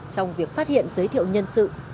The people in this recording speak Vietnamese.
trong việc phát hiện giới thiệu nhân sự